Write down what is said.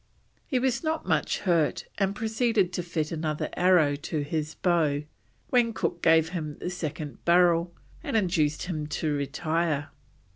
He was not much hurt, and proceeded to fit another arrow to his bow, when Cook gave him the second barrel and induced him to retire.